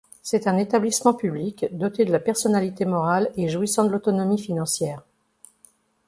C'est un établissement public doté de la personnalité morale et jouissant de l'autonomie financière.